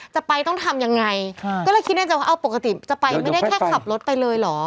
จะไปต้องทำยังไงก็เลยคิดในใจว่าเอาปกติจะไปไม่ได้แค่ขับรถไปเลยเหรอ